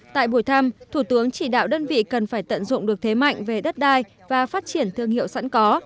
tại buổi thăm thủ tướng chỉ đạo đơn vị cần phải tận dụng được thế mạnh về đất đai và phát triển thương hiệu sẵn có